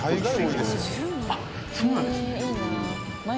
あっそうなんですね。